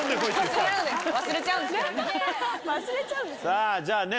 さぁじゃあね